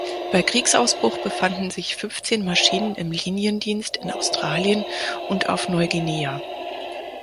Bei Kriegsausbruch befanden sich fünfzehn Maschinen im Liniendienst in Australien und auf Neuguinea.